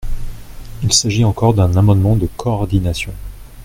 Il s’agit encore d’un amendement de coordination.